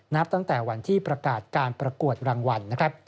นับตั้งแต่วันที่ประกาศการประกวดรางวัลนะครับ